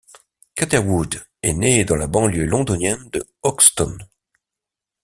Catherwood est né dans la banlieue londonienne de Hoxton.